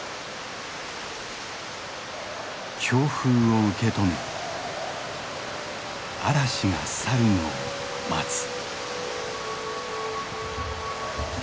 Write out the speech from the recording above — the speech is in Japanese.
強風を受け止め嵐が去るのを待つ。